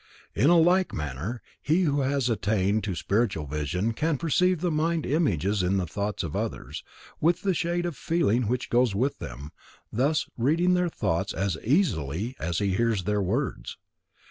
In like manner, he who has attained to spiritual vision can perceive the mind images in the thoughts of others, with the shade of feeling which goes with them, thus reading their thoughts as easily as he hears their words.